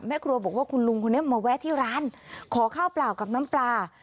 แม่ครัวบอกว่าคุณลุงคนนี้มาแวะที่ร้านขอข้าวเปล่ากับน้ำปลา